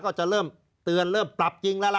ก็จะเริ่มเตือนเริ่มปรับจริงแล้วล่ะ